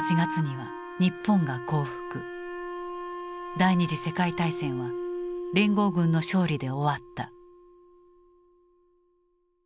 第二次世界大戦は連合軍の勝利で終わった。